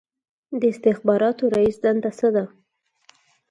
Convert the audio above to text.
د استخباراتو رییس دنده څه ده؟